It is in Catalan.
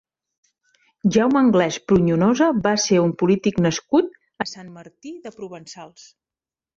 Jaume Anglès Pruñonosa va ser un polític nascut a Sant Martí de Provençals.